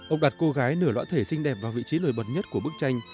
ông đặt cô gái nửa loãn thể xinh đẹp vào vị trí lời bật nhất của bức tranh